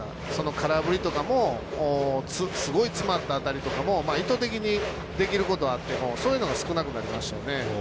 空振りとかもすごく詰まった当たりとかも意図的にできることはあってもそういうのが少なくなりましたね。